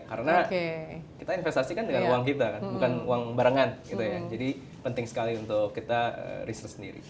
karena kita investasi kan dengan uang kita bukan uang barengan gitu ya jadi penting sekali untuk kita research sendiri